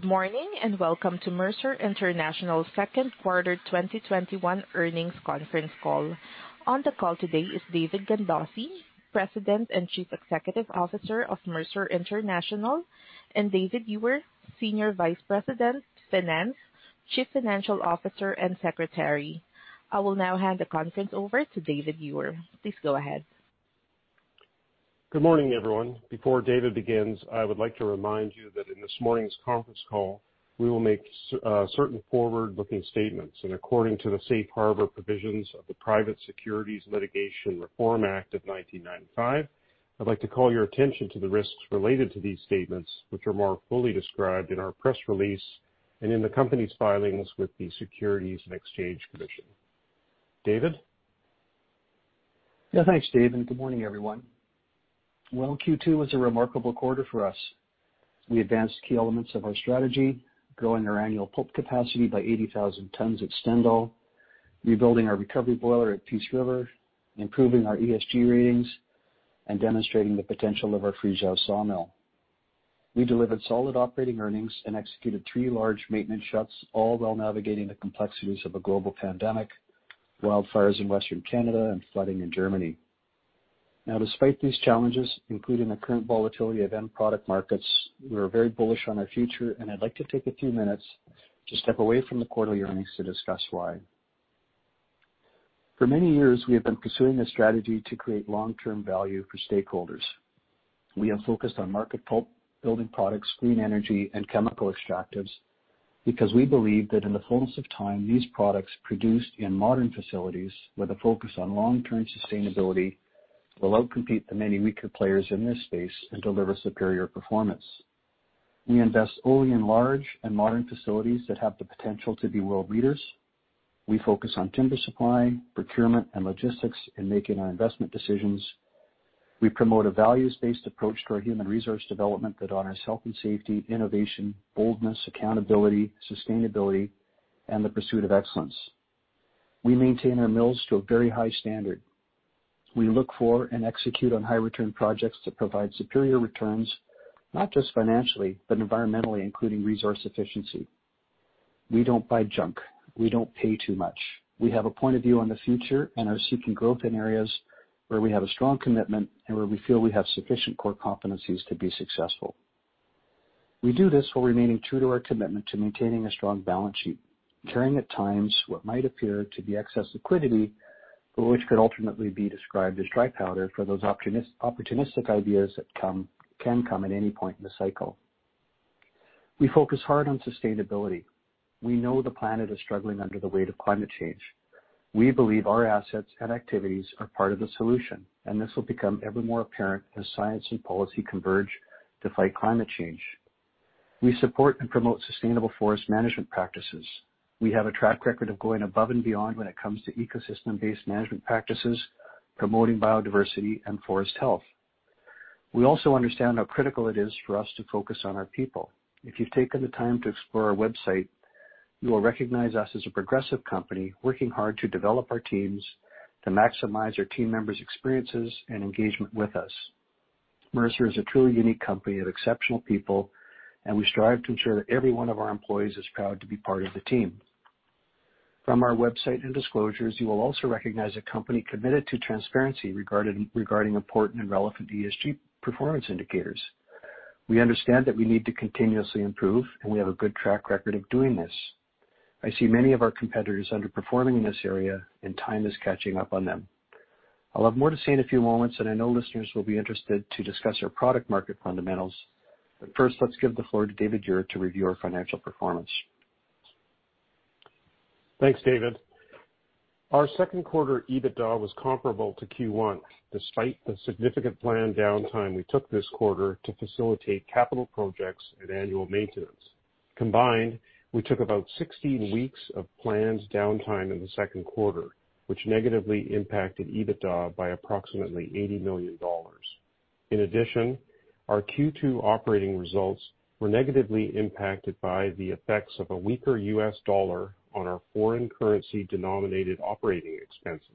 Good morning and welcome to Mercer International's second quarter 2021 earnings conference call. On the call today is David Gandossi, President and Chief Executive Officer of Mercer International, and David Ure, Senior Vice President, Finance, Chief Financial Officer, and Secretary. I will now hand the conference over to David Ure. Please go ahead. Good morning, everyone. Before David begins, I would like to remind you that in this morning's conference call, we will make certain forward-looking statements. According to the Safe Harbor provisions of the Private Securities Litigation Reform Act of 1995, I'd like to call your attention to the risks related to these statements, which are more fully described in our press release and in the company's filings with the Securities and Exchange Commission. David? Yeah, thanks, David. Good morning, everyone. Q2 was a remarkable quarter for us. We advanced key elements of our strategy, growing our annual pulp capacity by 80,000 tons at Stendal, rebuilding our recovery boiler at Peace River, improving our ESG ratings, and demonstrating the potential of our Friesau sawmill. We delivered solid operating earnings and executed three large maintenance shuts, all while navigating the complexities of a global pandemic, wildfires in Western Canada, and flooding in Germany. Now, despite these challenges, including the current volatility of end product markets, we were very bullish on our future, and I'd like to take a few minutes to step away from the quarterly earnings to discuss why. For many years, we have been pursuing a strategy to create long-term value for stakeholders. We have focused on market-building products, clean energy, and chemical extractives because we believe that in the fullness of time, these products produced in modern facilities with a focus on long-term sustainability will outcompete the many weaker players in this space and deliver superior performance. We invest only in large and modern facilities that have the potential to be world leaders. We focus on timber supply, procurement, and logistics in making our investment decisions. We promote a values-based approach to our human resource development that honors health and safety, innovation, boldness, accountability, sustainability, and the pursuit of excellence. We maintain our mills to a very high standard. We look for and execute on high-return projects that provide superior returns, not just financially, but environmentally, including resource efficiency. We don't buy junk. We don't pay too much. We have a point of view on the future and are seeking growth in areas where we have a strong commitment and where we feel we have sufficient core competencies to be successful. We do this while remaining true to our commitment to maintaining a strong balance sheet, carrying at times what might appear to be excess liquidity, but which could ultimately be described as dry powder for those opportunistic ideas that can come at any point in the cycle. We focus hard on sustainability. We know the planet is struggling under the weight of climate change. We believe our assets and activities are part of the solution, and this will become ever more apparent as science and policy converge to fight climate change. We support and promote sustainable forest management practices. We have a track record of going above and beyond when it comes to ecosystem-based management practices, promoting biodiversity and forest health. We also understand how critical it is for us to focus on our people. If you've taken the time to explore our website, you will recognize us as a progressive company working hard to develop our teams to maximize our team members' experiences and engagement with us. Mercer is a truly unique company of exceptional people, and we strive to ensure that every one of our employees is proud to be part of the team. From our website and disclosures, you will also recognize a company committed to transparency regarding important and relevant ESG performance indicators. We understand that we need to continuously improve, and we have a good track record of doing this. I see many of our competitors underperforming in this area, and time is catching up on them. I'll have more to say in a few moments, and I know listeners will be interested to discuss our product market fundamentals. But first, let's give the floor to David Ure to review our financial performance. Thanks, David. Our second quarter EBITDA was comparable to Q1, despite the significant planned downtime we took this quarter to facilitate capital projects and annual maintenance. Combined, we took about 16 weeks of planned downtime in the second quarter, which negatively impacted EBITDA by approximately $80 million. In addition, our Q2 operating results were negatively impacted by the effects of a weaker U.S. dollar on our foreign currency-denominated operating expenses.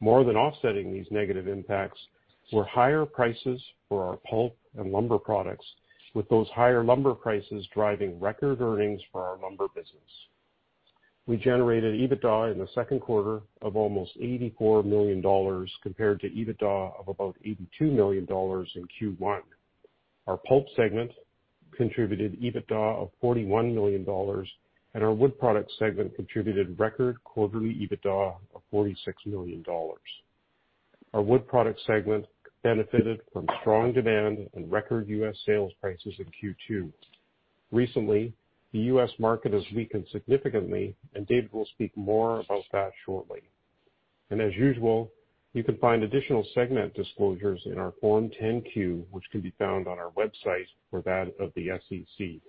More than offsetting these negative impacts were higher prices for our pulp and lumber products, with those higher lumber prices driving record earnings for our lumber business. We generated EBITDA in the second quarter of almost $84 million compared to EBITDA of about $82 million in Q1. Our pulp segment contributed EBITDA of $41 million, and our wood product segment contributed record quarterly EBITDA of $46 million. Our wood product segment benefited from strong demand and record U.S. sales prices in Q2. Recently, the U.S. market has weakened significantly, and David will speak more about that shortly. And as usual, you can find additional segment disclosures in our Form 10-Q, which can be found on our website or that of the SEC.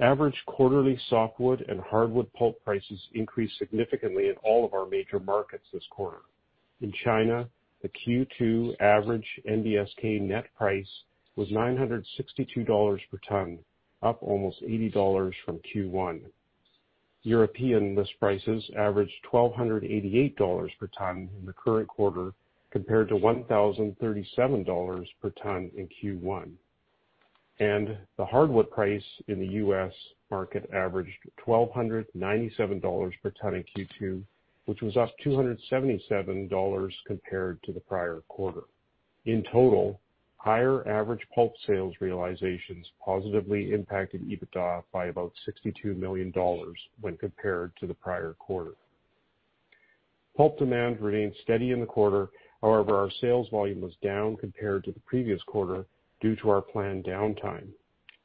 Average quarterly softwood and hardwood pulp prices increased significantly in all of our major markets this quarter. In China, the Q2 average NBSK net price was $962 per ton, up almost $80 from Q1. European list prices averaged $1,288 per ton in the current quarter compared to $1,037 per ton in Q1. And the hardwood price in the U.S. market averaged $1,297 per ton in Q2, which was up $277 compared to the prior quarter. In total, higher average pulp sales realizations positively impacted EBITDA by about $62 million when compared to the prior quarter. Pulp demand remained steady in the quarter. However, our sales volume was down compared to the previous quarter due to our planned downtime.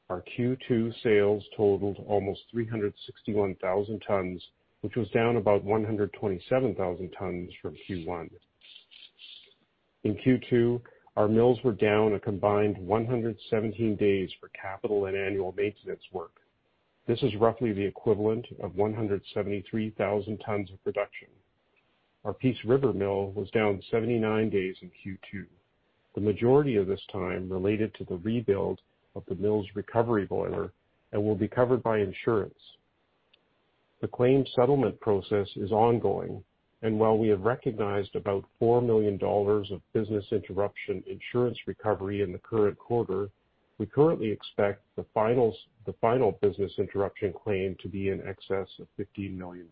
Our Q2 sales totaled almost 361,000 tons, which was down about 127,000 tons from Q1. In Q2, our mills were down a combined 117 days for capital and annual maintenance work. This is roughly the equivalent of 173,000 tons of production. Our Peace River mill was down 79 days in Q2. The majority of this time related to the rebuild of the mill's recovery boiler and will be covered by insurance. The claim settlement process is ongoing, and while we have recognized about $4 million of business interruption insurance recovery in the current quarter, we currently expect the final business interruption claim to be in excess of $15 million.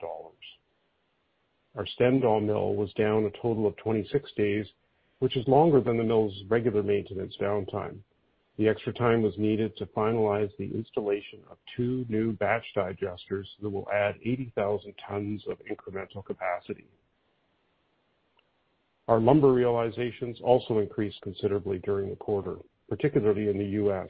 Our Stendal mill was down a total of 26 days, which is longer than the mill's regular maintenance downtime. The extra time was needed to finalize the installation of two new batch digesters that will add 80,000 tons of incremental capacity. Our lumber realizations also increased considerably during the quarter, particularly in the U.S.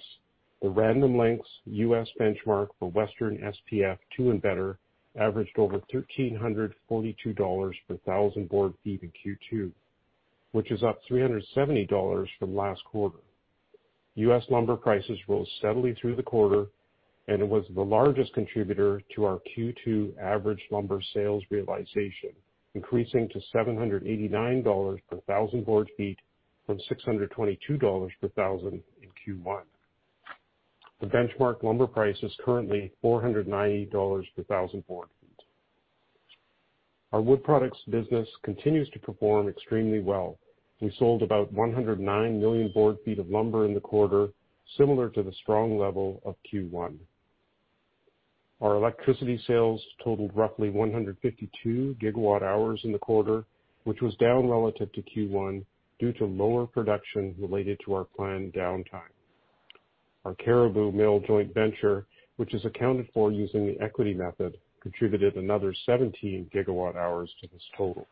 The Random Lengths U.S. benchmark for Western SPF 2 and better averaged over $1,342 per 1,000 board feet in Q2, which is up $370 from last quarter. U.S. lumber prices rose steadily through the quarter, and it was the largest contributor to our Q2 average lumber sales realization, increasing to $789 per 1,000 board feet from $622 per 1,000 in Q1. The benchmark lumber price is currently $490 per 1,000 board feet. Our wood products business continues to perform extremely well. We sold about 109 million board feet of lumber in the quarter, similar to the strong level of Q1. Our electricity sales totaled roughly 152 gigawatt-hours in the quarter, which was down relative to Q1 due to lower production related to our planned downtime. Our Cariboo Mill Joint Venture, which is accounted for using the equity method, contributed another 17 gigawatt-hours to this total.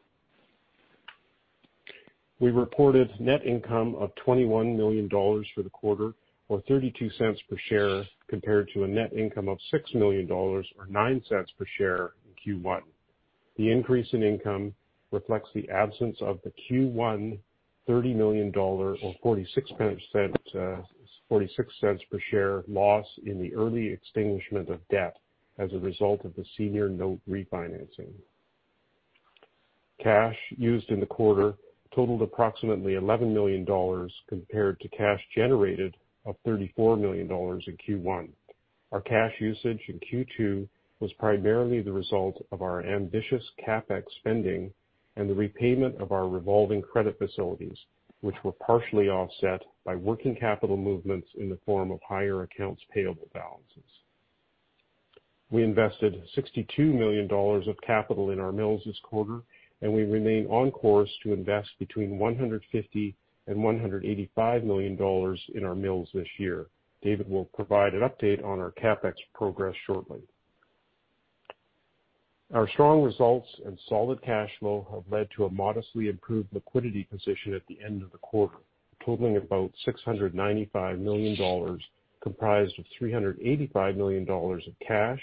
We reported net income of $21 million for the quarter, or $0.32 per share, compared to a net income of $6 million or $0.09 per share in Q1. The increase in income reflects the absence of the Q1 $30 million, or $0.46 per share, loss in the early extinguishment of debt as a result of the senior note refinancing. Cash used in the quarter totaled approximately $11 million compared to cash generated of $34 million in Q1. Our cash usage in Q2 was primarily the result of our ambitious CapEx spending and the repayment of our revolving credit facilities, which were partially offset by working capital movements in the form of higher accounts payable balances. We invested $62 million of capital in our mills this quarter, and we remain on course to invest between $150 and $185 million in our mills this year. David will provide an update on our CapEx progress shortly. Our strong results and solid cash flow have led to a modestly improved liquidity position at the end of the quarter, totaling about $695 million, comprised of $385 million of cash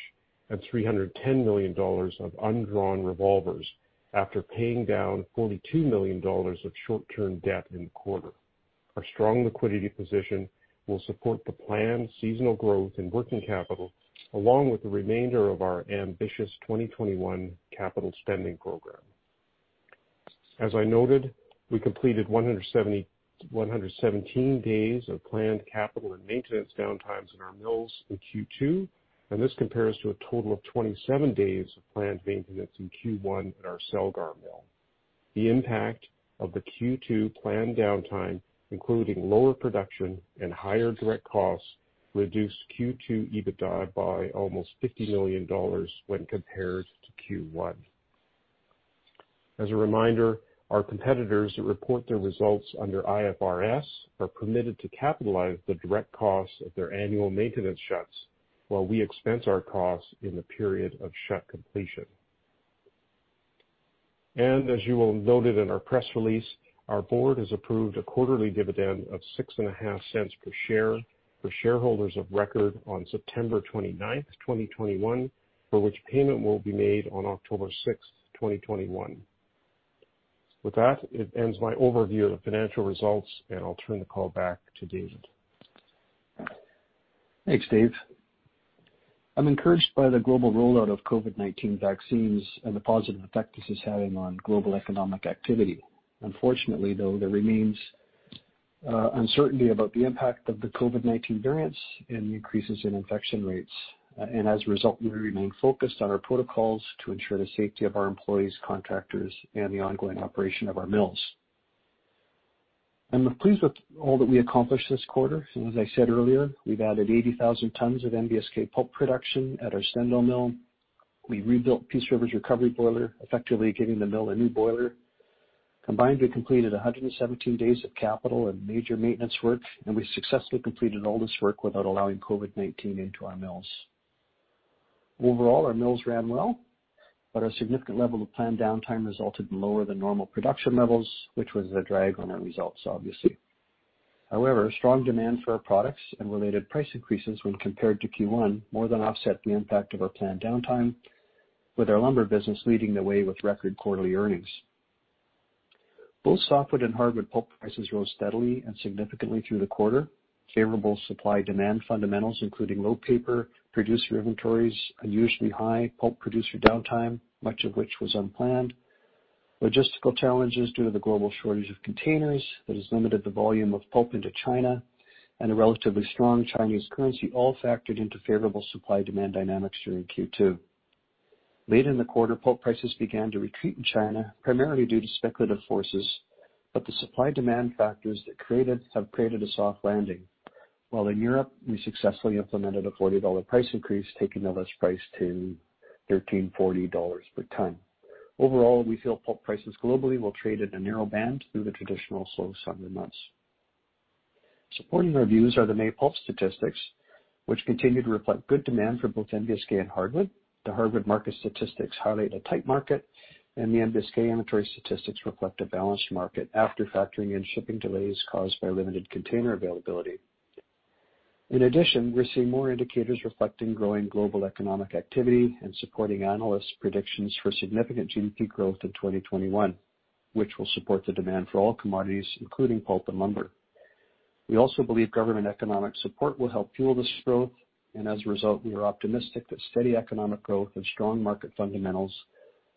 and $310 million of undrawn revolvers after paying down $42 million of short-term debt in the quarter. Our strong liquidity position will support the planned seasonal growth in working capital, along with the remainder of our ambitious 2021 capital spending program. As I noted, we completed 117 days of planned capital and maintenance downtimes in our mills in Q2, and this compares to a total of 27 days of planned maintenance in Q1 at our Celgar mill. The impact of the Q2 planned downtime, including lower production and higher direct costs, reduced Q2 EBITDA by almost $50 million when compared to Q1. As a reminder, our competitors that report their results under IFRS are permitted to capitalize the direct costs of their annual maintenance shuts while we expense our costs in the period of shut completion. As you will have noted in our press release, our board has approved a quarterly dividend of $0.065 per share for shareholders of record on September 29, 2021, for which payment will be made on October 6, 2021. With that, it ends my overview of the financial results, and I'll turn the call back to David. Thanks, Dave. I'm encouraged by the global rollout of COVID-19 vaccines and the positive effect this is having on global economic activity. Unfortunately, though, there remains uncertainty about the impact of the COVID-19 variants and the increases in infection rates, and as a result, we remain focused on our protocols to ensure the safety of our employees, contractors, and the ongoing operation of our mills. I'm pleased with all that we accomplished this quarter. As I said earlier, we've added 80,000 tons of NBSK pulp production at our Stendal mill. We rebuilt Peace River's recovery boiler, effectively giving the mill a new boiler. Combined, we completed 117 days of capital and major maintenance work, and we successfully completed all this work without allowing COVID-19 into our mills. Overall, our mills ran well, but a significant level of planned downtime resulted in lower than normal production levels, which was a drag on our results, obviously. However, strong demand for our products and related price increases when compared to Q1 more than offset the impact of our planned downtime, with our lumber business leading the way with record quarterly earnings. Both softwood and hardwood pulp prices rose steadily and significantly through the quarter. Favorable supply-demand fundamentals, including low paper producer inventories, unusually high pulp producer downtime, much of which was unplanned, logistical challenges due to the global shortage of containers that has limited the volume of pulp into China, and a relatively strong Chinese currency all factored into favorable supply-demand dynamics during Q2. Late in the quarter, pulp prices began to retreat in China, primarily due to speculative forces, but the supply-demand factors that have created a soft landing. While in Europe, we successfully implemented a $40 price increase, taking the list price to $1,340 per ton. Overall, we feel pulp prices globally will trade in a narrow band through the traditional slow summer months. Supporting our views are the May pulp statistics, which continue to reflect good demand for both NBSK and hardwood. The hardwood market statistics highlight a tight market, and the NBSK inventory statistics reflect a balanced market after factoring in shipping delays caused by limited container availability. In addition, we're seeing more indicators reflecting growing global economic activity and supporting analysts' predictions for significant GDP growth in 2021, which will support the demand for all commodities, including pulp and lumber. We also believe government economic support will help fuel this growth, and as a result, we are optimistic that steady economic growth and strong market fundamentals,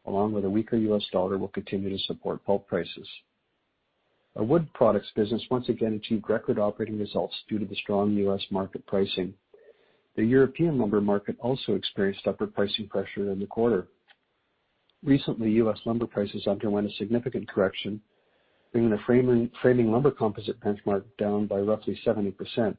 along with a weaker U.S. dollar, will continue to support pulp prices. Our wood products business once again achieved record operating results due to the strong U.S. market pricing. The European lumber market also experienced upward pricing pressure in the quarter. Recently, U.S. lumber prices underwent a significant correction, bringing the framing lumber composite benchmark down by roughly 70%.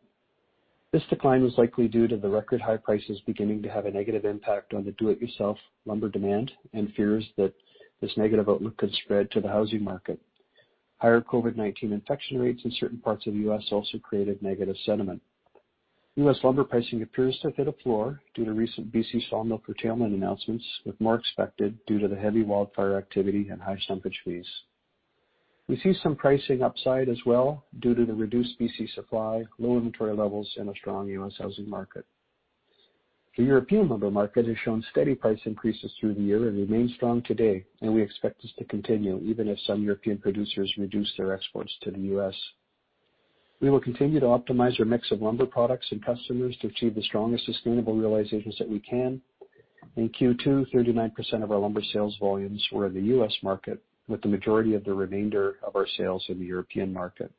This decline was likely due to the record high prices beginning to have a negative impact on the do-it-yourself lumber demand and fears that this negative outlook could spread to the housing market. Higher COVID-19 infection rates in certain parts of the U.S. also created negative sentiment. U.S. lumber pricing appears to have hit a floor due to recent BC sawmill curtailment announcements, with more expected due to the heavy wildfire activity and high stumpage fees. We see some pricing upside as well due to the reduced BC supply, low inventory levels, and a strong U.S. housing market. The European lumber market has shown steady price increases through the year and remains strong today, and we expect this to continue even if some European producers reduce their exports to the U.S. .We will continue to optimize our mix of lumber products and customers to achieve the strongest sustainable realizations that we can. In Q2, 39% of our lumber sales volumes were in the U.S. market, with the majority of the remainder of our sales in the European market.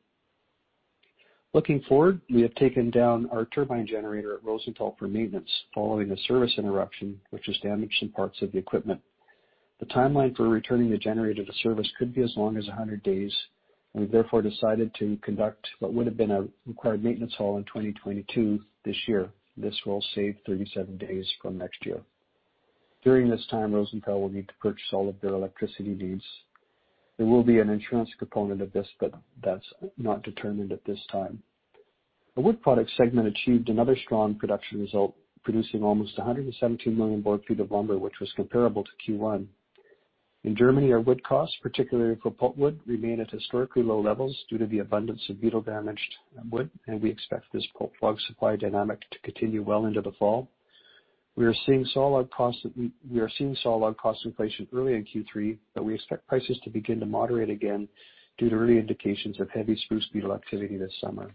Looking forward, we have taken down our turbine generator at Rosenthal for maintenance following a service interruption, which has damaged some parts of the equipment. The timeline for returning the generator to service could be as long as 100 days. We've therefore decided to conduct what would have been a required maintenance shut in 2022 this year. This will save 37 days from next year. During this time, Rosenthal will need to purchase all of their electricity needs. There will be an insurance component of this, but that's not determined at this time. Our wood products segment achieved another strong production result, producing almost 117 million board feet of lumber, which was comparable to Q1. In Germany, our wood costs, particularly for pulp wood, remain at historically low levels due to the abundance of beetle-damaged wood, and we expect this pulp log supply dynamic to continue well into the fall. We are seeing saw log costs. We are seeing saw log cost inflation early in Q3, but we expect prices to begin to moderate again due to early indications of heavy spruce beetle activity this summer.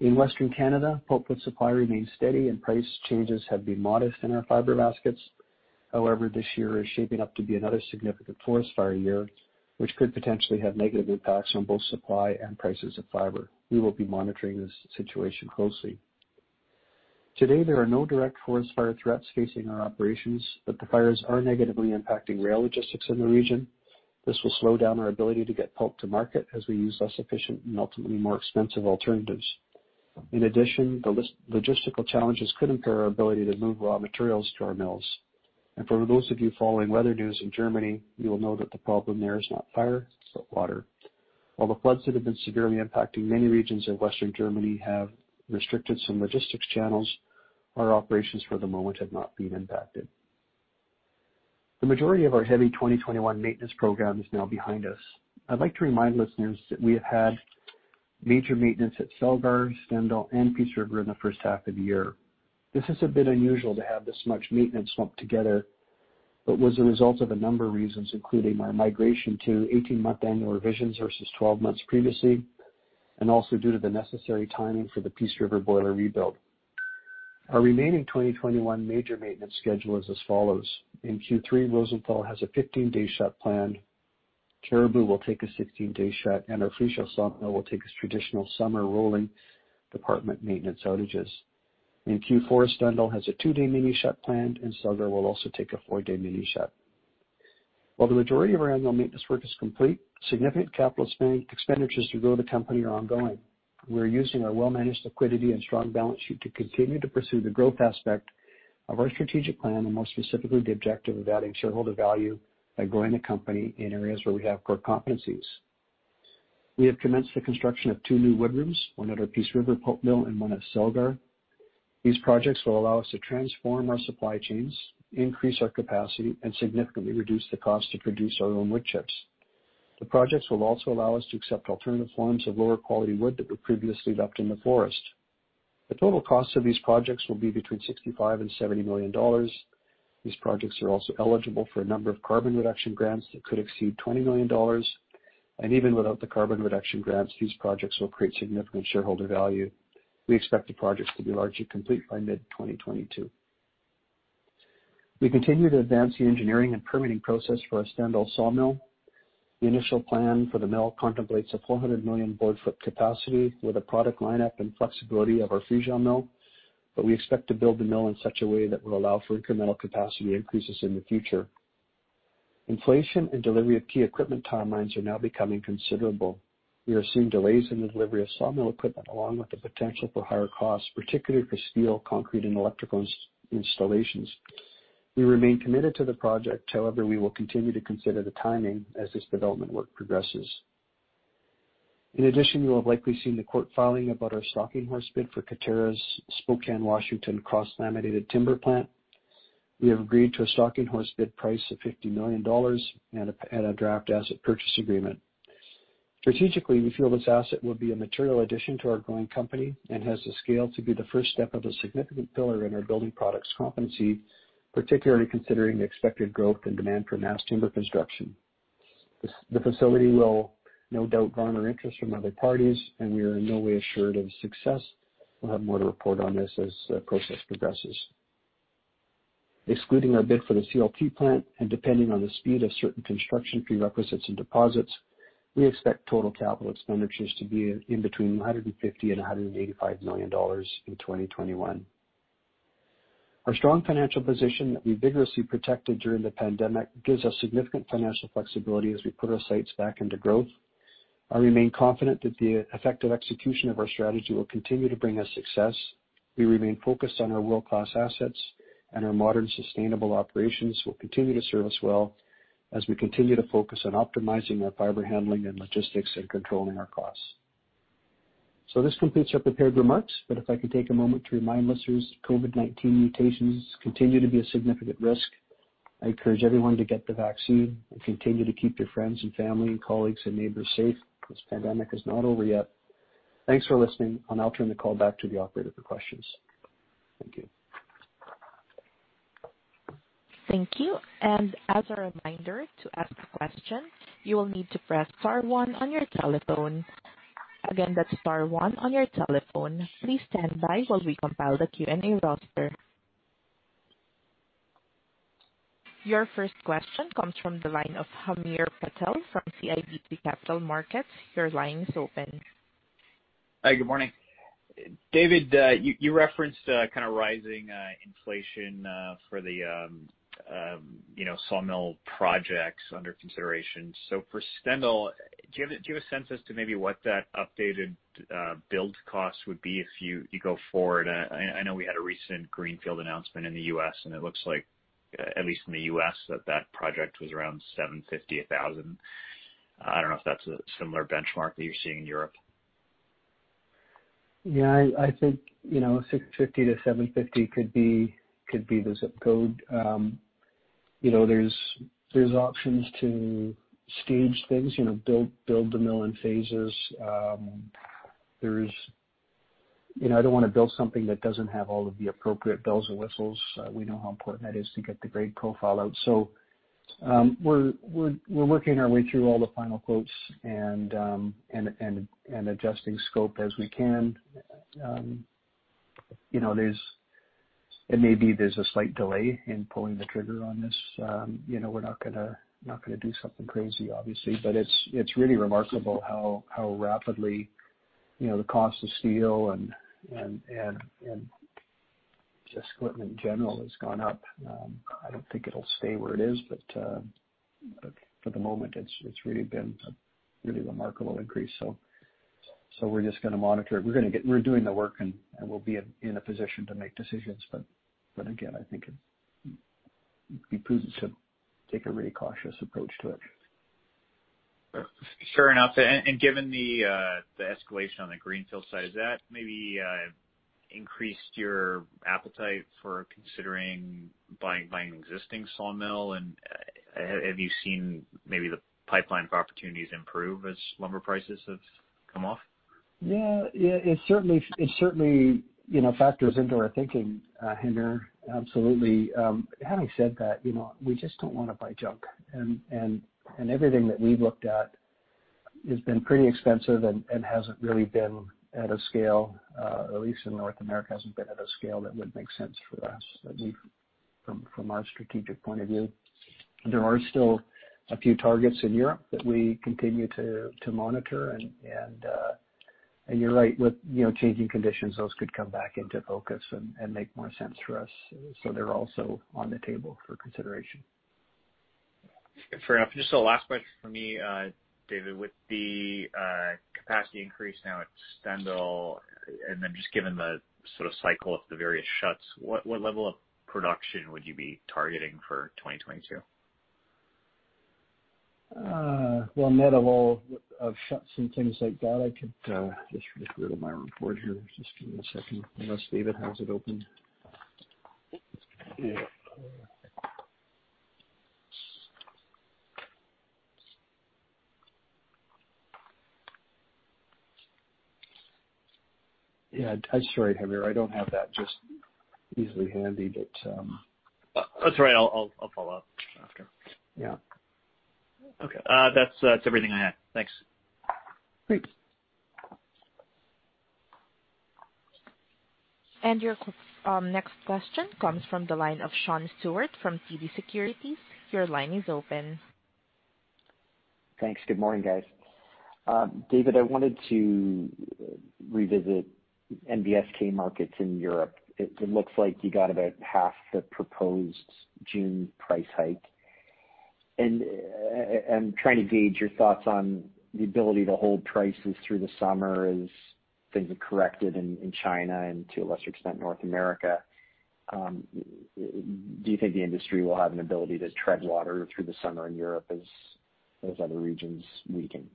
In Western Canada, pulp wood supply remains steady, and price changes have been modest in our fiber baskets. However, this year is shaping up to be another significant forest fire year, which could potentially have negative impacts on both supply and prices of fiber. We will be monitoring this situation closely. Today, there are no direct forest fire threats facing our operations, but the fires are negatively impacting rail logistics in the region. This will slow down our ability to get pulp to market as we use less efficient and ultimately more expensive alternatives. In addition, the logistical challenges could impair our ability to move raw materials to our mills. And for those of you following weather news in Germany, you will know that the problem there is not fire, but water. While the floods that have been severely impacting many regions of Western Germany have restricted some logistics channels, our operations for the moment have not been impacted. The majority of our heavy 2021 maintenance program is now behind us. I'd like to remind listeners that we have had major maintenance at Celgar, Stendal, and Peace River in the first half of the year. This has been unusual to have this much maintenance clumped together, but was the result of a number of reasons, including our migration to 18-month annual revisions versus 12 months previously, and also due to the necessary timing for the Peace River boiler rebuild. Our remaining 2021 major maintenance schedule is as follows. In Q3, Rosenthal has a 15-day shut planned. Cariboo will take a 16-day shut, and our Friesau sawmill will take its traditional summer rolling department maintenance outages. In Q4, Stendal has a two-day mini shut planned, and Celgar will also take a four-day mini shut. While the majority of our annual maintenance work is complete, significant capital expenditures to grow the company are ongoing. We're using our well-managed liquidity and strong balance sheet to continue to pursue the growth aspect of our strategic plan, and more specifically, the objective of adding shareholder value by growing the company in areas where we have core competencies. We have commenced the construction of two new wood rooms, one at our Peace River pulp mill and one at Celgar. These projects will allow us to transform our supply chains, increase our capacity, and significantly reduce the cost to produce our own wood chips. The projects will also allow us to accept alternative forms of lower quality wood that were previously left in the forest. The total cost of these projects will be between $65 and $70 million. These projects are also eligible for a number of carbon reduction grants that could exceed $20 million. And even without the carbon reduction grants, these projects will create significant shareholder value. We expect the projects to be largely complete by mid-2022. We continue to advance the engineering and permitting process for our Stendal sawmill. The initial plan for the mill contemplates a 400 million board feet capacity with a product lineup and flexibility of our Friesau mill, but we expect to build the mill in such a way that will allow for incremental capacity increases in the future. Inflation and delivery of key equipment timelines are now becoming considerable. We are seeing delays in the delivery of sawmill equipment, along with the potential for higher costs, particularly for steel, concrete, and electrical installations. We remain committed to the project. However, we will continue to consider the timing as this development work progresses. In addition, you will have likely seen the court filing about our stalking horse bid for Katerra's Spokane, Washington cross-laminated timber plant. We have agreed to a stalking horse bid price of $50 million and a draft asset purchase agreement. Strategically, we feel this asset will be a material addition to our growing company and has the scale to be the first step of a significant pillar in our building products competency, particularly considering the expected growth and demand for mass timber construction. The facility will no doubt garner interest from other parties, and we are in no way assured of success. We'll have more to report on this as the process progresses. Excluding our bid for the CLT plant and depending on the speed of certain construction prerequisites and deposits, we expect total capital expenditures to be between $150 and $185 million in 2021. Our strong financial position that we vigorously protected during the pandemic gives us significant financial flexibility as we put our sights back into growth. I remain confident that the effective execution of our strategy will continue to bring us success. We remain focused on our world-class assets, and our modern sustainable operations will continue to serve us well as we continue to focus on optimizing our fiber handling and logistics and controlling our costs. So this completes our prepared remarks, but if I can take a moment to remind listeners, COVID-19 mutations continue to be a significant risk. I encourage everyone to get the vaccine and continue to keep your friends and family and colleagues and neighbors safe. This pandemic is not over yet. Thanks for listening. I'll now turn the call back to the operator for questions. Thank you. Thank you. And as a reminder to ask a question, you will need to press star one on your telephone. Again, that's star one on your telephone. Please stand by while we compile the Q&A roster. Your first question comes from the line of Hamir Patel from CIBC Capital Markets. Your line is open. Hi, good morning. David, you referenced kind of rising inflation for the sawmill projects under consideration. So for Stendal, do you have a sense as to maybe what that updated build cost would be if you go forward? I know we had a recent greenfield announcement in the U.S., and it looks like, at least in the U.S., that that project was around $750,000. I don't know if that's a similar benchmark that you're seeing in Europe. Yeah, I think 650-750 could be the zip code. There's options to stage things, build the mill in phases. I don't want to build something that doesn't have all of the appropriate bells and whistles. We know how important that is to get the grade profile out. So we're working our way through all the final quotes and adjusting scope as we can. It may be there's a slight delay in pulling the trigger on this. We're not going to do something crazy, obviously, but it's really remarkable how rapidly the cost of steel and just equipment in general has gone up. I don't think it'll stay where it is, but for the moment, it's really been a really remarkable increase. So we're just going to monitor it. We're doing the work, and we'll be in a position to make decisions. But again, I think it would be prudent to take a really cautious approach to it. Fair enough. And given the escalation on the greenfield side, has that maybe increased your appetite for considering buying an existing sawmill? And have you seen maybe the pipeline of opportunities improve as lumber prices have come off? Yeah, it certainly factors into our thinking, Hamir, absolutely. Having said that, we just don't want to buy junk. And everything that we've looked at has been pretty expensive and hasn't really been at a scale, at least in North America, hasn't been at a scale that would make sense for us from our strategic point of view. There are still a few targets in Europe that we continue to monitor. And you're right, with changing conditions, those could come back into focus and make more sense for us. So they're also on the table for consideration. Fair enough. Just a last question for me, David. With the capacity increase now at Stendal, and then just given the sort of cycle of the various shuts, what level of production would you be targeting for 2022? A wall of shuts and things like that, I could just read my report here. Just give me a second unless David has it open. Yeah, sorry, Hamir, I don't have that just easily handy, but. That's all right. I'll follow up after. Yeah. Okay. That's everything I had. Thanks. Great. Your next question comes from the line of Sean Stewart from TD Securities. Your line is open. Thanks. Good morning, guys. David, I wanted to revisit NBSK markets in Europe. It looks like you got about half the proposed June price hike. And I'm trying to gauge your thoughts on the ability to hold prices through the summer as things have corrected in China and to a lesser extent North America. Do you think the industry will have an ability to tread water through the summer in Europe as those other regions weaken?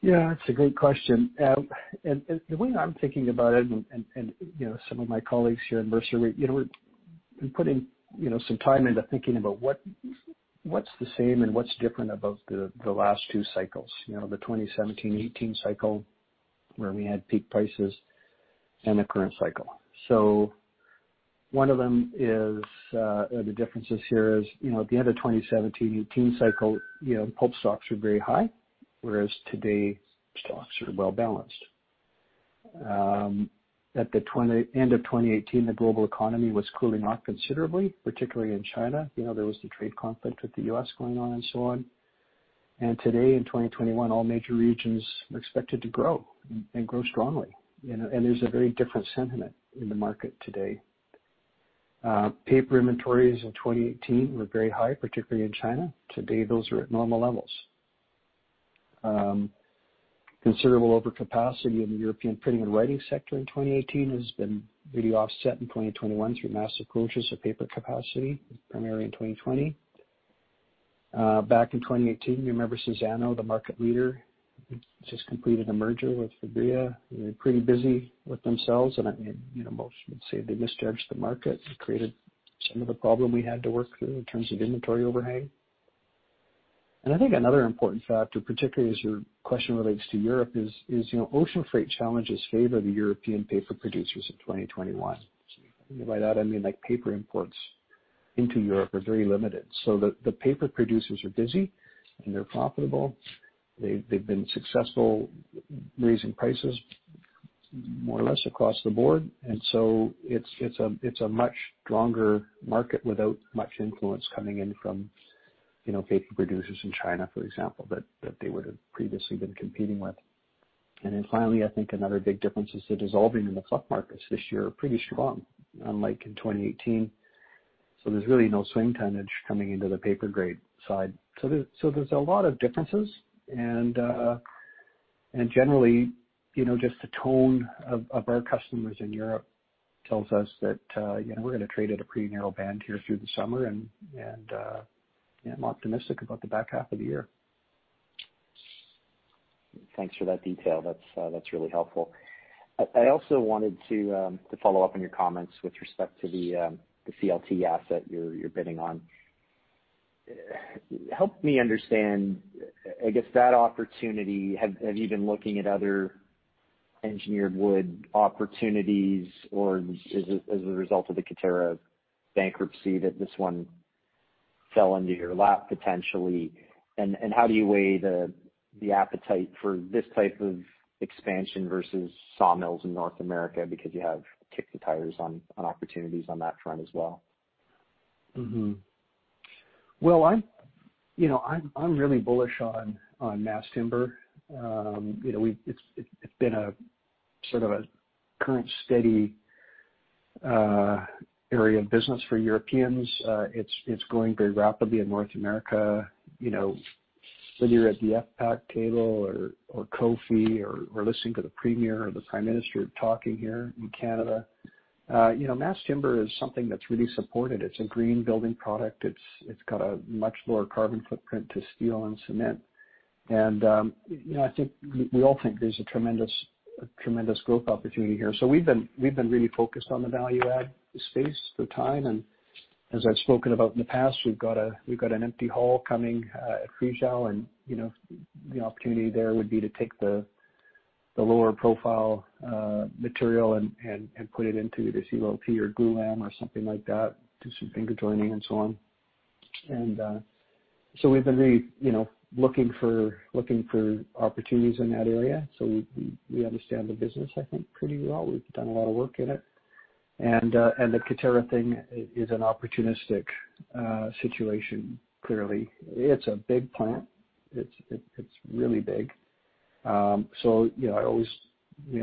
Yeah, that's a great question, and the way I'm thinking about it, and some of my colleagues here in Mercer, we've been putting some time into thinking about what's the same and what's different about the last two cycles: the 2017-18 cycle where we had peak prices and the current cycle, so one of them is the differences here is at the end of the 2017-18 cycle, pulp stocks were very high, whereas today stocks are well-balanced. At the end of 2018, the global economy was cooling off considerably, particularly in China. There was the trade conflict with the U.S. going on and so on, and today, in 2021, all major regions are expected to grow and grow strongly. And there's a very different sentiment in the market today. Paper inventories in 2018 were very high, particularly in China. Today, those are at normal levels. Considerable overcapacity in the European printing and writing sector in 2018 has been really offset in 2021 through massive purchase of paper capacity, primarily in 2020. Back in 2018, you remember Suzano, the market leader, just completed a merger with Fibria. They were pretty busy with themselves, and I mean, most would say they misjudged the market and created some of the problem we had to work through in terms of inventory overhang. I think another important factor, particularly as your question relates to Europe, is ocean freight challenges favor the European paper producers in 2021. By that, I mean paper imports into Europe are very limited. So the paper producers are busy, and they're profitable. They've been successful raising prices more or less across the board. And so it's a much stronger market without much influence coming in from paper producers in China, for example, that they would have previously been competing with. And then finally, I think another big difference is the dissolving in the fluff markets this year are pretty strong, unlike in 2018. So there's really no swing tonnage coming into the paper grade side. So there's a lot of differences. And generally, just the tone of our customers in Europe tells us that we're going to trade at a pretty narrow band here through the summer, and I'm optimistic about the back half of the year. Thanks for that detail. That's really helpful. I also wanted to follow up on your comments with respect to the CLT asset you're bidding on. Help me understand, I guess, that opportunity. Have you been looking at other engineered wood opportunities, or is it as a result of the Katerra bankruptcy that this one fell into your lap potentially? And how do you weigh the appetite for this type of expansion versus sawmills in North America because you have kicked the tires on opportunities on that front as well? I'm really bullish on mass timber. It's been a sort of a current steady area of business for Europeans. It's growing very rapidly in North America. When you're at the FPAC table or COFI or listening to the Premier or the Prime Minister talking here in Canada, mass timber is something that's really supported. It's a green building product. It's got a much lower carbon footprint to steel and cement. I think we all think there's a tremendous growth opportunity here. We've been really focused on the value-add space for some time. As I've spoken about in the past, we've got an empty hall coming at Friesau, and the opportunity there would be to take the lower profile material and put it into the CLT or glulam or something like that, do some finger jointing and so on. And so we've been really looking for opportunities in that area. So we understand the business, I think, pretty well. We've done a lot of work in it. And the Katerra thing is an opportunistic situation, clearly. It's a big plant. It's really big. So we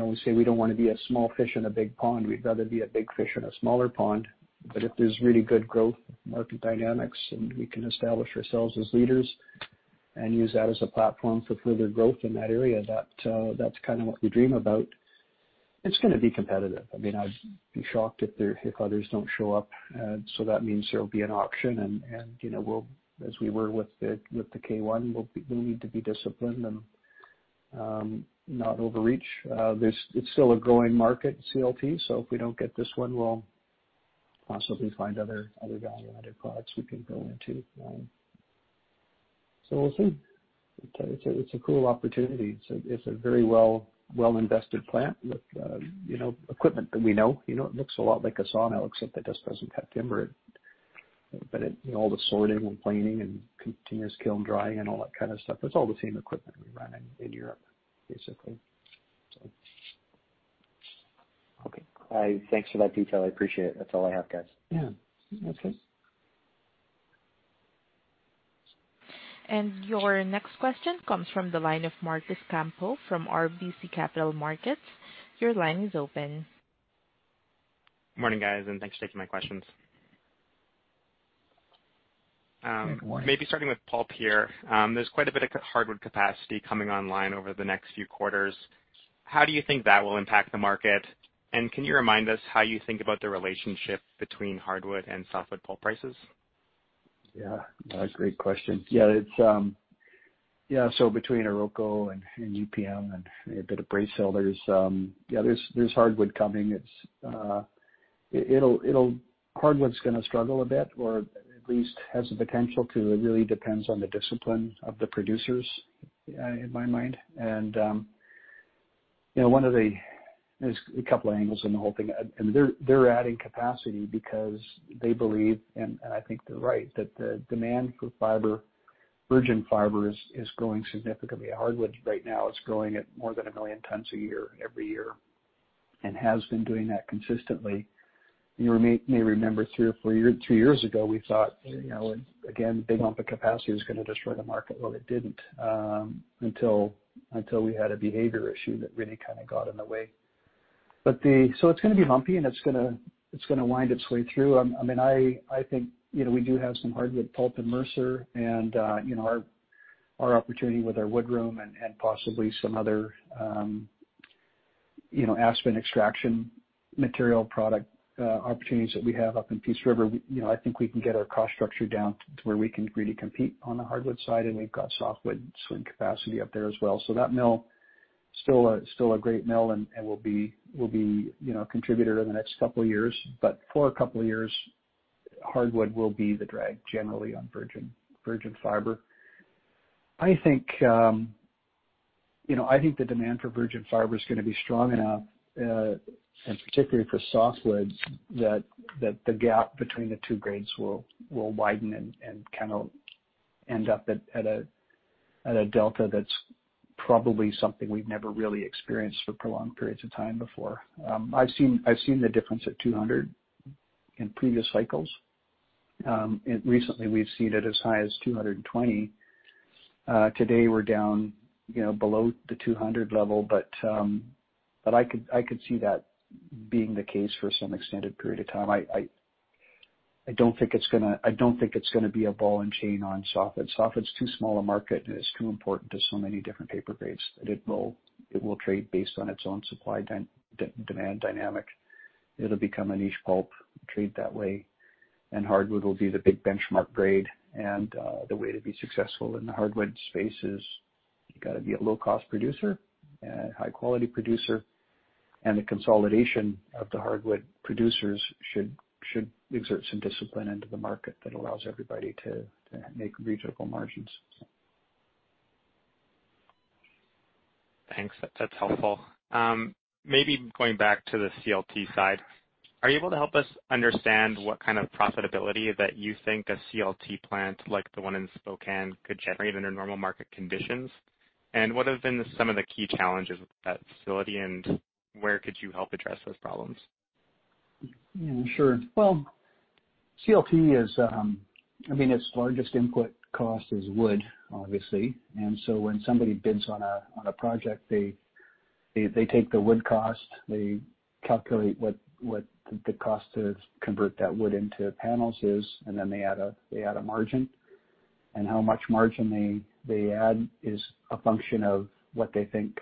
always say we don't want to be a small fish in a big pond. We'd rather be a big fish in a smaller pond. But if there's really good growth, market dynamics, and we can establish ourselves as leaders and use that as a platform for further growth in that area, that's kind of what we dream about. It's going to be competitive. I mean, I'd be shocked if others don't show up. So that means there'll be an auction. And as we were with the K1, we'll need to be disciplined and not overreach. It's still a growing market, CLT. So if we don't get this one, we'll possibly find other value-added products we can go into. So we'll see. It's a cool opportunity. It's a very well-invested plant with equipment that we know. It looks a lot like a sawmill except it just doesn't cut timber. But all the sorting and planing and continuous kiln drying and all that kind of stuff, it's all the same equipment we run in Europe, basically. Okay. Thanks for that detail. I appreciate it. That's all I have, guys. Yeah. That's it. Your next question comes from the line of Paul Quinn from RBC Capital Markets. Your line is open. Morning, guys, and thanks for taking my questions. Maybe starting with Paul Quinn. There's quite a bit of hardwood capacity coming online over the next few quarters. How do you think that will impact the market? And can you remind us how you think about the relationship between hardwood and softwood pulp prices? Yeah. Great question. Yeah. So between Arauco and UPM and a bit of Bracell, there's hardwood coming. Hardwood's going to struggle a bit or at least has the potential to. It really depends on the discipline of the producers, in my mind. And there's a couple of angles in the whole thing. And they're adding capacity because they believe, and I think they're right, that the demand for virgin fiber is growing significantly. Hardwood right now is growing at more than a million tons a year every year and has been doing that consistently. You may remember three or four years ago, we thought, again, big lump of capacity was going to destroy the market. Well, it didn't until we had a behavior issue that really kind of got in the way. So it's going to be lumpy, and it's going to wind its way through. I mean, I think we do have some hardwood pulp in Mercer and our opportunity with our wood room and possibly some other aspen extraction material product opportunities that we have up in Peace River. I think we can get our cost structure down to where we can really compete on the hardwood side. And we've got softwood swing capacity up there as well. So that mill is still a great mill and will be a contributor in the next couple of years. But for a couple of years, hardwood will be the drag generally on virgin fiber. I think the demand for virgin fiber is going to be strong enough, and particularly for softwoods, that the gap between the two grades will widen and kind of end up at a delta that's probably something we've never really experienced for prolonged periods of time before. I've seen the difference at 200 in previous cycles. Recently, we've seen it as high as 220. Today, we're down below the 200 level, but I could see that being the case for some extended period of time. I don't think it's going to be a ball and chain on softwood. Softwood's too small a market, and it's too important to so many different paper grades. It will trade based on its own supply demand dynamic. It'll become a niche pulp, trade that way. And hardwood will be the big benchmark grade. And the way to be successful in the hardwood space is you've got to be a low-cost producer, a high-quality producer. And the consolidation of the hardwood producers should exert some discipline into the market that allows everybody to make reasonable margins. Thanks. That's helpful. Maybe going back to the CLT side, are you able to help us understand what kind of profitability that you think a CLT plant like the one in Spokane could generate under normal market conditions? And what have been some of the key challenges with that facility, and where could you help address those problems? Yeah, sure. Well, CLT is, I mean, its largest input cost is wood, obviously. And so when somebody bids on a project, they take the wood cost, they calculate what the cost to convert that wood into panels is, and then they add a margin. And how much margin they add is a function of what they think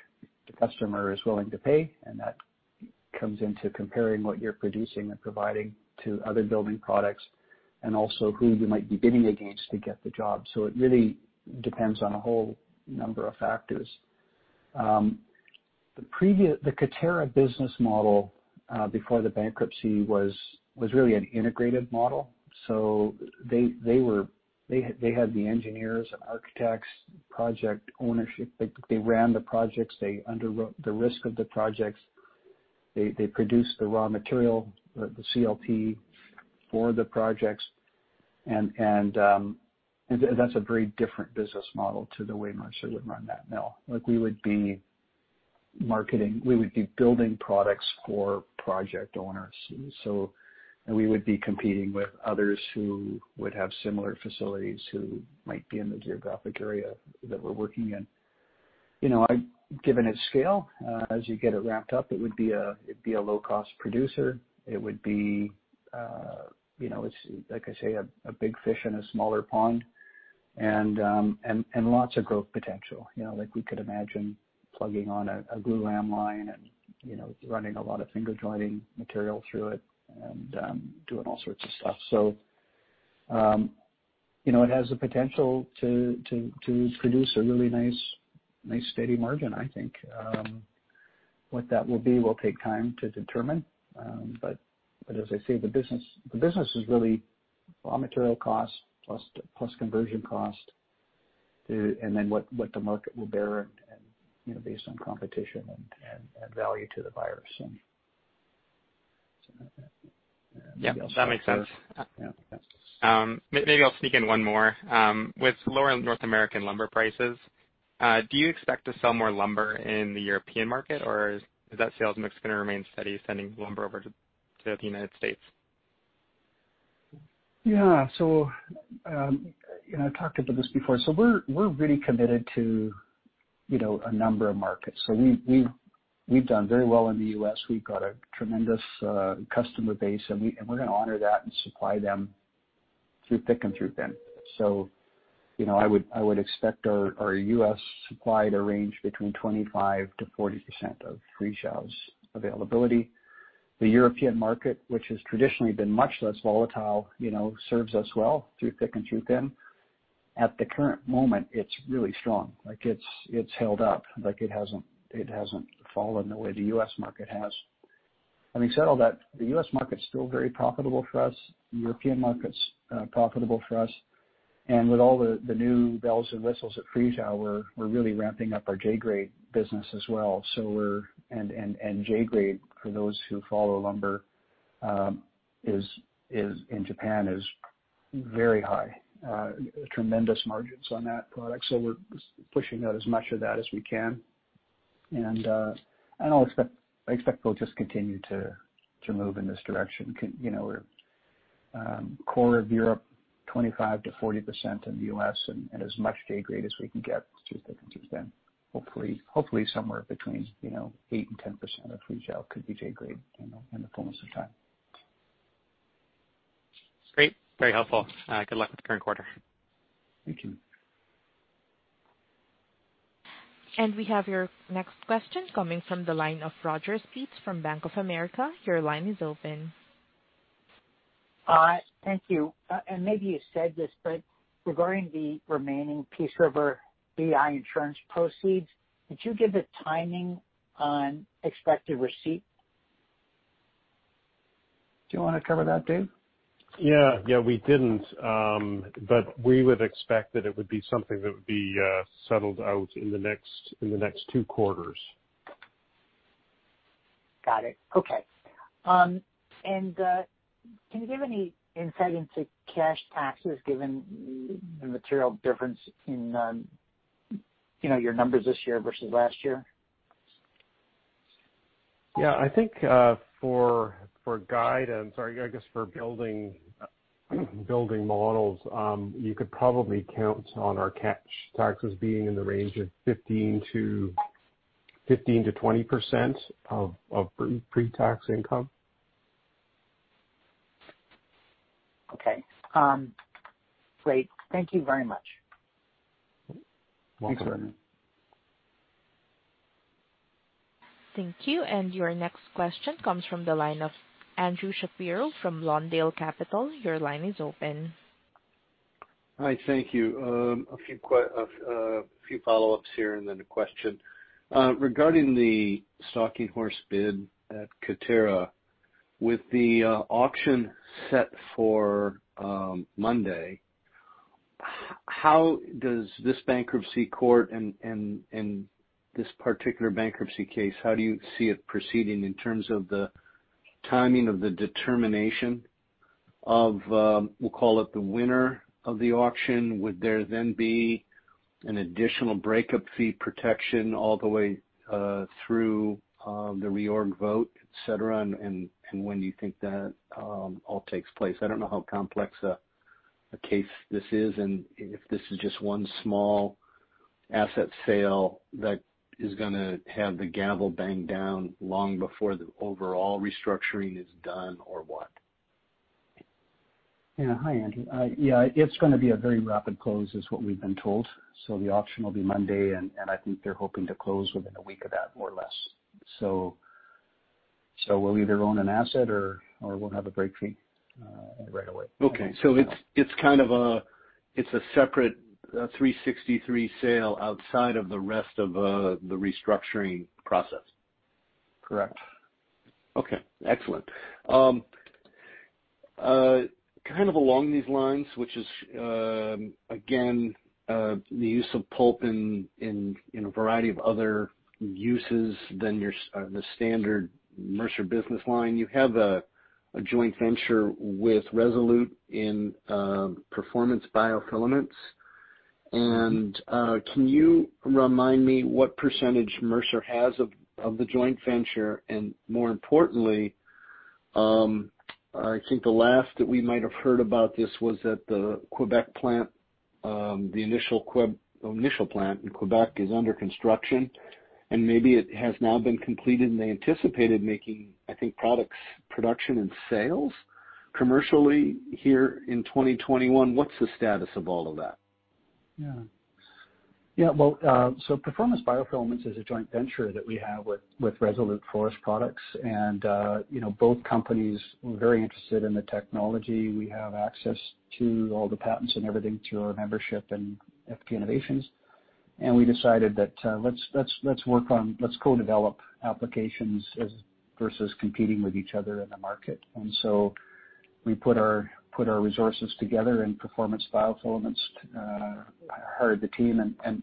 the customer is willing to pay. And that comes into comparing what you're producing and providing to other building products and also who you might be bidding against to get the job. So it really depends on a whole number of factors. The Katerra business model before the bankruptcy was really an integrated model. So they had the engineers and architects, project ownership. They ran the projects. They underwrote the risk of the projects. They produced the raw material, the CLT for the projects. That's a very different business model to the way Mercer would run that mill. We would be marketing. We would be building products for project owners. And we would be competing with others who would have similar facilities who might be in the geographic area that we're working in. Given its scale, as you get it wrapped up, it would be a low-cost producer. It would be, like I say, a big fish in a smaller pond and lots of growth potential. We could imagine plugging on a glulam line and running a lot of finger-jointing material through it and doing all sorts of stuff. So it has the potential to produce a really nice steady margin, I think. What that will be, we'll take time to determine. As I say, the business is really raw material cost plus conversion cost and then what the market will bear based on competition and value to the buyers. Yeah. That makes sense. Maybe I'll sneak in one more. With lower North American lumber prices, do you expect to sell more lumber in the European market, or is that sales mix going to remain steady, sending lumber over to the United States? Yeah. So I talked about this before. So we're really committed to a number of markets. So we've done very well in the U.S. We've got a tremendous customer base, and we're going to honor that and supply them through thick and through thin. So I would expect our U.S. supply to range between 25%-40% of Friesau's availability. The European market, which has traditionally been much less volatile, serves us well through thick and through thin. At the current moment, it's really strong. It's held up. It hasn't fallen the way the U.S. market has. Having said all that, the U.S. market's still very profitable for us. The European market's profitable for us. And with all the new bells and whistles at Friesau, we're really ramping up our J-grade business as well. And J-grade, for those who follow lumber in Japan, is very high. Tremendous margins on that product. So we're pushing out as much of that as we can. And I expect we'll just continue to move in this direction. Core of Europe, 25%-40% in the U.S. and as much J-grade as we can get through thick and through thin. Hopefully, somewhere between 8% and 10% of Friesau could be J-grade in the fullness of time. Great. Very helpful. Good luck with the current quarter. Thank you. We have your next question coming from the line of Roger Spitz from Bank of America. Your line is open. All right. Thank you. And maybe you said this, but regarding the remaining Peace River BI insurance proceeds, did you give a timing on expected receipt? Do you want to cover that, Dave? Yeah. Yeah, we didn't. But we would expect that it would be something that would be settled out in the next two quarters. Got it. Okay. And can you give any insight into cash taxes given the material difference in your numbers this year versus last year? Yeah. I think for guidance, or I guess for building models, you could probably count on our cash taxes being in the range of 15%-20% of pre-tax income. Okay. Great. Thank you very much. Thanks, everyone. Thank you. And your next question comes from the line of Andrew Shapiro from Lawndale Capital. Your line is open. Hi. Thank you. A few follow-ups here and then a question. Regarding the stalking horse bid at Katerra, with the auction set for Monday, how does this bankruptcy court and this particular bankruptcy case, how do you see it proceeding in terms of the timing of the determination of, we'll call it the winner of the auction? Would there then be an additional breakup fee protection all the way through the reorg vote, etc., and when do you think that all takes place? I don't know how complex a case this is and if this is just one small asset sale that is going to have the gavel banged down long before the overall restructuring is done or what? Yeah. Hi, Andrew. Yeah. It's going to be a very rapid close, is what we've been told. So the auction will be Monday, and I think they're hoping to close within a week of that, more or less. So we'll either own an asset or we'll have a break fee right away. It's kind of a separate 363 sale outside of the rest of the restructuring process? Correct. Okay. Excellent. Kind of along these lines, which is, again, the use of pulp in a variety of other uses than the standard Mercer business line, you have a joint venture with Resolute in Performance BioFilaments. And can you remind me what percentage Mercer has of the joint venture? And more importantly, I think the last that we might have heard about this was that the Quebec plant, the initial plant in Quebec, is under construction, and maybe it has now been completed, and they anticipated making, I think, products production and sales commercially here in 2021. What's the status of all of that? Yeah. Yeah. Well, so Performance BioFilaments is a joint venture that we have with Resolute Forest Products. And both companies were very interested in the technology. We have access to all the patents and everything through our membership and FPInnovations. And we decided that let's work on, let's co-develop applications versus competing with each other in the market. And so we put our resources together in Performance BioFilaments, hired the team, and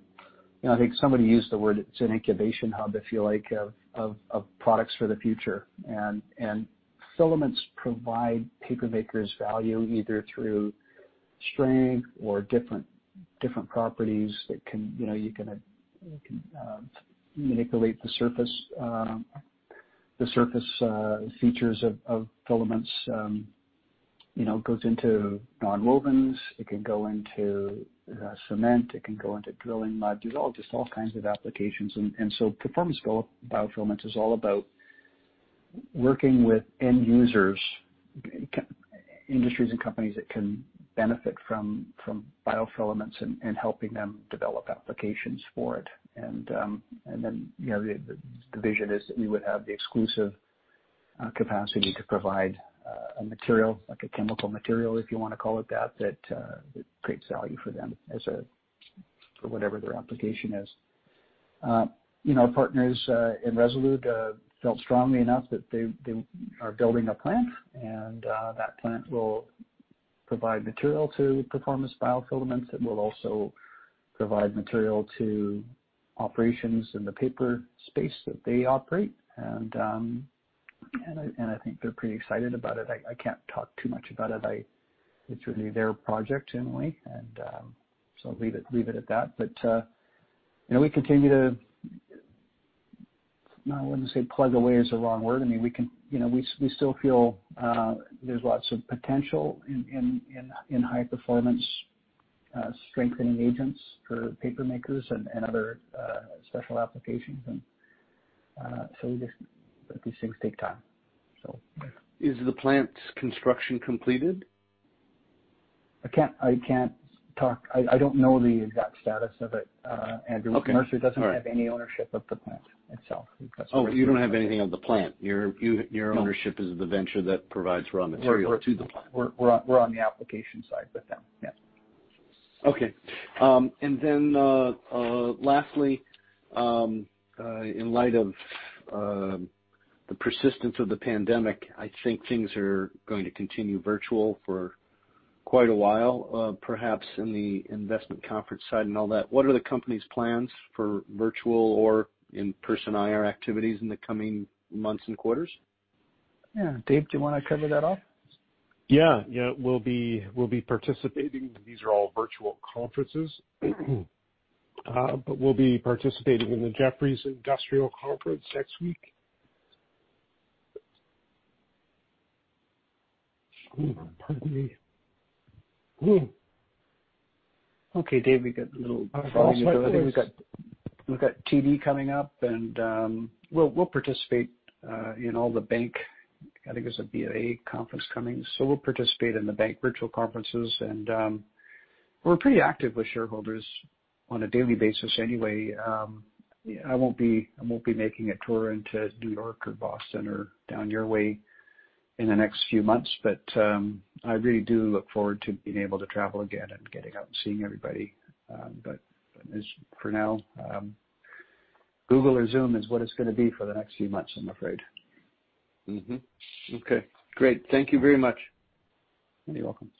I think somebody used the word it's an incubation hub, I feel like, of products for the future. And filaments provide papermakers value either through strength or different properties that you can manipulate the surface features of filaments. It goes into non-wovens. It can go into cement. It can go into drilling modules, just all kinds of applications. And so Performance BioFilaments is all about working with end users, industries and companies that can benefit from biofilaments and helping them develop applications for it. And then the vision is that we would have the exclusive capacity to provide a material, like a chemical material, if you want to call it that, that creates value for them for whatever their application is. Our partners in Resolute felt strongly enough that they are building a plant, and that plant will provide material to Performance BioFilaments. It will also provide material to operations in the paper space that they operate. And I think they're pretty excited about it. I can't talk too much about it. It's really their project in a way. And so I'll leave it at that. But we continue to, I wouldn't say plug away is the wrong word. I mean, we still feel there's lots of potential in high-performance strengthening agents for papermakers and other special applications. And so we just let these things take time, so. Is the plant's construction completed? I can't talk. I don't know the exact status of it, Andrew. Mercer doesn't have any ownership of the plant itself. Oh, you don't have anything of the plant. Your ownership is the venture that provides raw material to the plant. We're on the application side with them. Yeah. Okay. And then lastly, in light of the persistence of the pandemic, I think things are going to continue virtual for quite a while, perhaps in the investment conference side and all that. What are the company's plans for virtual or in-person IR activities in the coming months and quarters? Yeah. Dave, do you want to cover that off? Yeah. Yeah. We'll be participating. These are all virtual conferences. But we'll be participating in the Jefferies Industrials Conference next week. Pardon me. Okay, Dave, we got a little volume of noise. We've got TD coming up, and we'll participate in all the bank. I think there's a BofA conference coming, so we'll participate in the bank virtual conferences, and we're pretty active with shareholders on a daily basis anyway. I won't be making a tour into New York or Boston or down your way in the next few months, but I really do look forward to being able to travel again and getting out and seeing everybody, but for now, Google or Zoom is what it's going to be for the next few months, I'm afraid. Okay. Great. Thank you very much. You're welcome.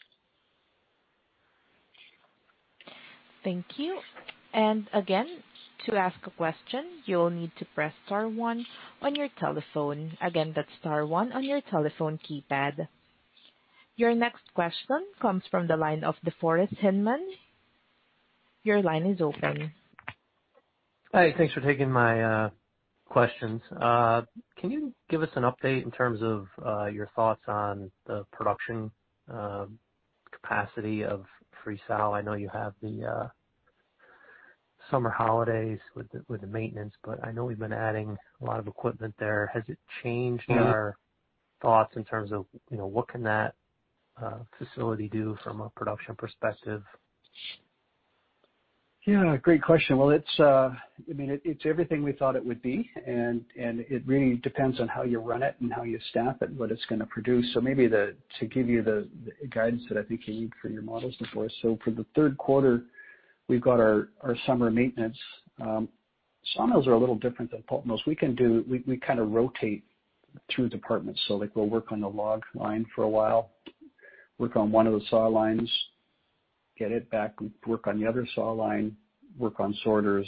Thank you. And again, to ask a question, you'll need to press star one on your telephone. Again, that's star one on your telephone keypad. Your next question comes from the line of DeForest Hinman. Your line is open. Hi. Thanks for taking my questions. Can you give us an update in terms of your thoughts on the production capacity of Friesau? I know you have the summer holidays with the maintenance, but I know we've been adding a lot of equipment there. Has it changed our thoughts in terms of what can that facility do from a production perspective? Yeah. Great question. Well, I mean, it's everything we thought it would be, and it really depends on how you run it and how you staff it, what it's going to produce, so maybe to give you the guidance that I think you need for your models, of course, so for the third quarter, we've got our summer maintenance. Sawmills are a little different than pulp mills. We kind of rotate through departments, so we'll work on the log line for a while, work on one of the saw lines, get it back, work on the other saw line, work on sorters,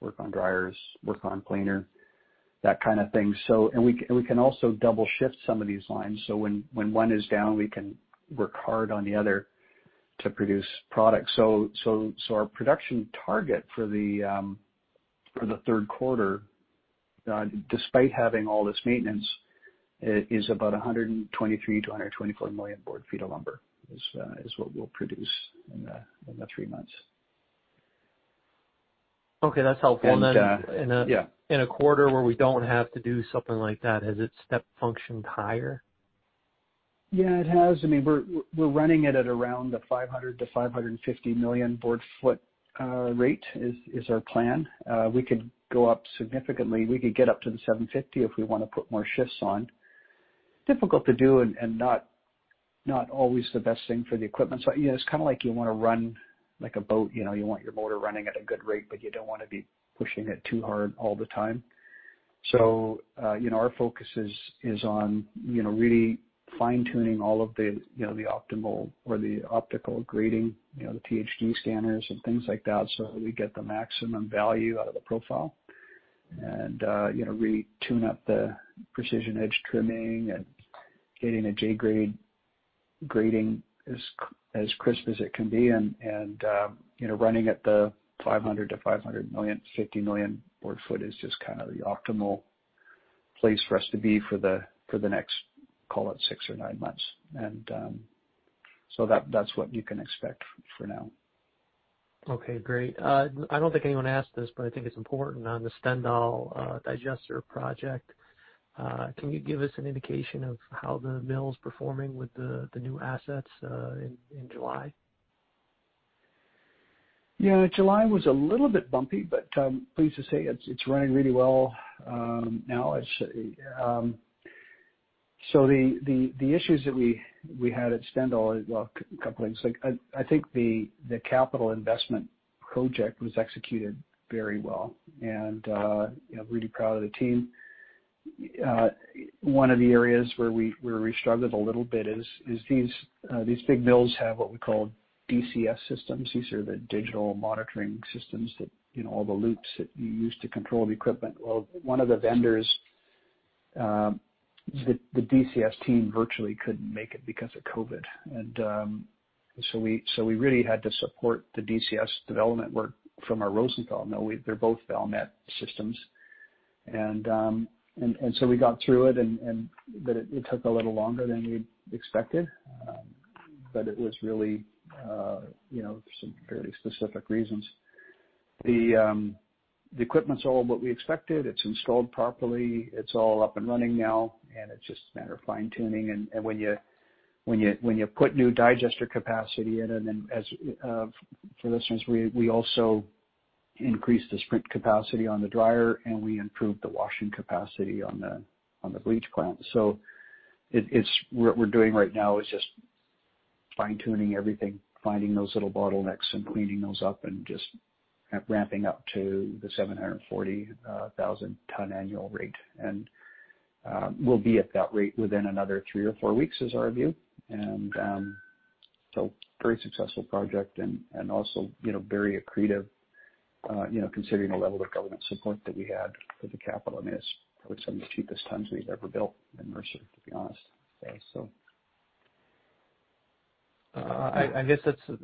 work on dryers, work on planer, that kind of thing, and we can also double-shift some of these lines, so when one is down, we can work hard on the other to produce product. So our production target for the third quarter, despite having all this maintenance, is about 123-124 million board feet of lumber, which is what we'll produce in the three months. Okay. That's helpful. And then in a quarter where we don't have to do something like that, has it step-functioned higher? Yeah, it has. I mean, we're running it at around the 500-550 million board feet rate is our plan. We could go up significantly. We could get up to the 750 if we want to put more shifts on. Difficult to do and not always the best thing for the equipment. So it's kind of like you want to run like a boat. You want your motor running at a good rate, but you don't want to be pushing it too hard all the time. So our focus is on really fine-tuning all of the optical grading, the 3D scanners and things like that so that we get the maximum value out of the profile and really tune up the precision edge trimming and getting a J-grade grading as crisp as it can be. Running at the 500-550 million board feet is just kind of the optimal place for us to be for the next, call it, six or nine months. So that's what you can expect for now. Okay. Great. I don't think anyone asked this, but I think it's important on the Stendal digester project. Can you give us an indication of how the mill is performing with the new assets in July? Yeah. July was a little bit bumpy, but pleased to say it's running really well now, so the issues that we had at Stendal, a couple of things. I think the capital investment project was executed very well, and I'm really proud of the team. One of the areas where we struggled a little bit is these big mills have what we call DCS systems. These are the digital monitoring systems, all the loops that you use to control the equipment. Well, one of the vendors, the DCS team virtually couldn't make it because of COVID, and so we really had to support the DCS development work from our Rosenthal. Now, they're both Valmet systems, and so we got through it, but it took a little longer than we expected. But it was really some fairly specific reasons. The equipment's all what we expected. It's installed properly. It's all up and running now. And it's just a matter of fine-tuning. And when you put new digester capacity in, and then for those things, we also increased the sprint capacity on the dryer, and we improved the washing capacity on the bleach plant. So what we're doing right now is just fine-tuning everything, finding those little bottlenecks and cleaning those up and just ramping up to the 740,000-ton annual rate. And we'll be at that rate within another three or four weeks, is our view. And so very successful project and also very accretive considering the level of government support that we had for the capital. I mean, it's probably some of the cheapest times we've ever built in Mercer, to be honest. I guess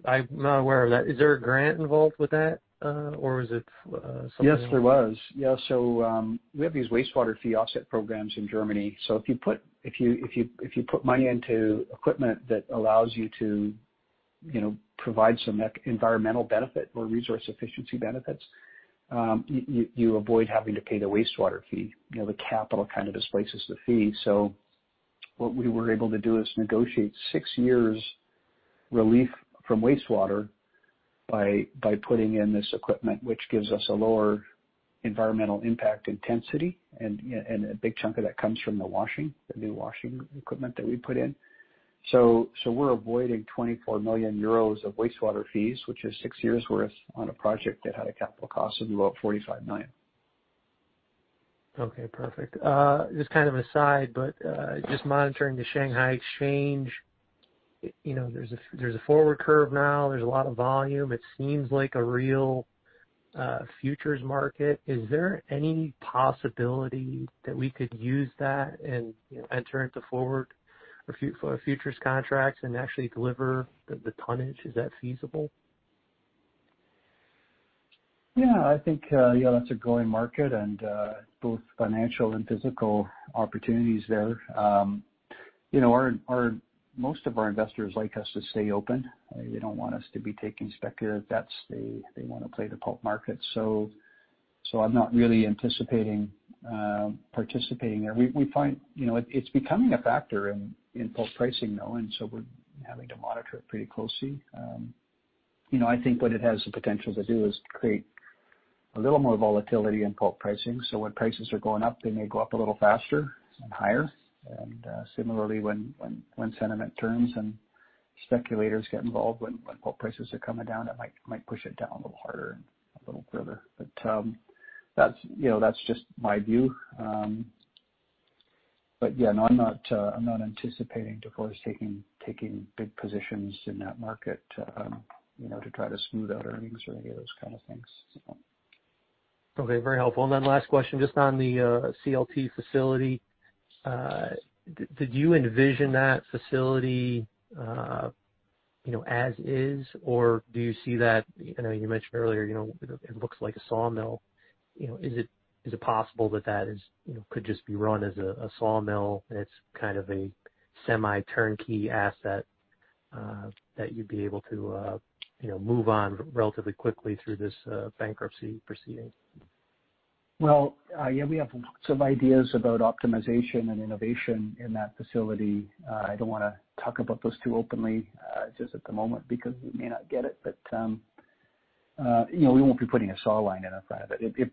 I'm not aware of that. Is there a grant involved with that, or was it something? Yes, there was. Yeah. So we have these wastewater fee offset programs in Germany. So if you put money into equipment that allows you to provide some environmental benefit or resource efficiency benefits, you avoid having to pay the wastewater fee. The capital kind of displaces the fee. So what we were able to do is negotiate six years' relief from wastewater by putting in this equipment, which gives us a lower environmental impact intensity. And a big chunk of that comes from the washing, the new washing equipment that we put in. So we're avoiding 24 million euros of wastewater fees, which is six years' worth on a project that had a capital cost of about 45 million. Okay. Perfect. Just kind of aside, but just monitoring the Shanghai Exchange, there's a forward curve now. There's a lot of volume. It seems like a real futures market. Is there any possibility that we could use that and enter into forward futures contracts and actually deliver the tonnage? Is that feasible? Yeah. I think, yeah, that's a growing market and both financial and physical opportunities there. Most of our investors like us to stay open. They don't want us to be taking speculative bets. They want to play the pulp market. So I'm not really anticipating participating there. We find it's becoming a factor in pulp pricing, though. And so we're having to monitor it pretty closely. I think what it has the potential to do is create a little more volatility in pulp pricing. So when prices are going up, they may go up a little faster and higher. And similarly, when sentiment turns and speculators get involved, when pulp prices are coming down, it might push it down a little harder and a little further. But that's just my view. But yeah, no, I'm not anticipating DeForest taking big positions in that market to try to smooth out earnings or any of those kind of things, so. Okay. Very helpful. And then last question, just on the CLT facility. Did you envision that facility as is, or do you see that? I know you mentioned earlier it looks like a sawmill. Is it possible that that could just be run as a sawmill and it's kind of a semi-turnkey asset that you'd be able to move on relatively quickly through this bankruptcy proceeding? Yeah, we have lots of ideas about optimization and innovation in that facility. I don't want to talk about those too openly just at the moment because we may not get it. But we won't be putting a saw line in front of it. It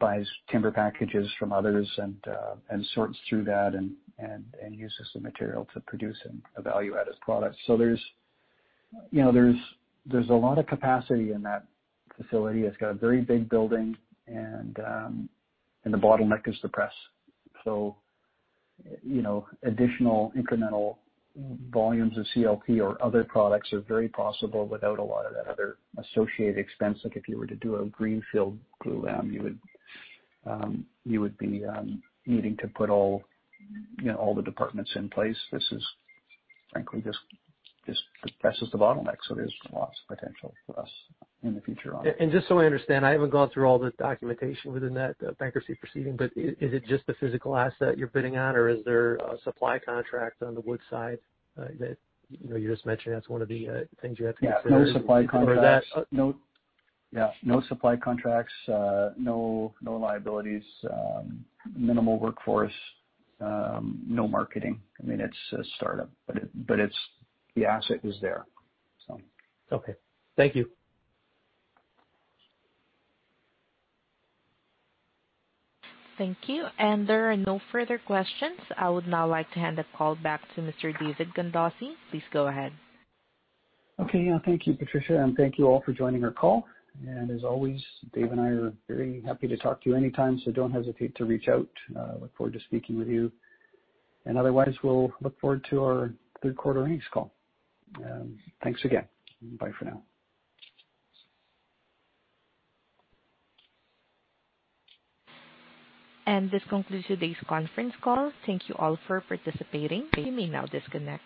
buys timber packages from others and sorts through that and uses the material to produce and evaluate its products. So there's a lot of capacity in that facility. It's got a very big building, and the bottleneck is the press. So additional incremental volumes of CLT or other products are very possible without a lot of that other associated expense. If you were to do a greenfield glulam, you would be needing to put all the departments in place. This is, frankly, just the press is the bottleneck. So there's lots of potential for us in the future. Just so I understand, I haven't gone through all the documentation within that bankruptcy proceeding, but is it just the physical asset you're bidding on, or is there a supply contract on the wood side that you just mentioned? That's one of the things you have to consider. Yeah. No supply contracts. Or that? Yeah. No supply contracts. No liabilities. Minimal workforce. No marketing. I mean, it's a startup, but the asset is there, so. Okay. Thank you. Thank you, and there are no further questions. I would now like to hand the call back to Mr. David Gandossi. Please go ahead. Okay. Yeah. Thank you, Patricia. And thank you all for joining our call. And as always, Dave and I are very happy to talk to you anytime, so don't hesitate to reach out. Look forward to speaking with you. And otherwise, we'll look forward to our third-quarter earnings call. Thanks again. Bye for now. This concludes today's conference call. Thank you all for participating. You may now disconnect.